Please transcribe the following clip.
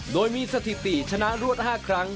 โดยมีสถิติชนะรวด๕ครั้ง